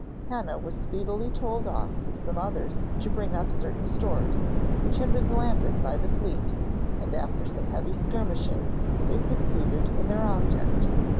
Hannah was speedily told off with some others to bring up certain stores, which had been landed by the fleet, and, after some heavy skirmishing, they succeeded in their object.